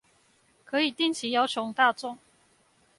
可以定期要求大眾